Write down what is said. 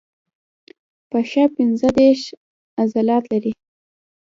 پښه پنځه دیرش عضلات لري.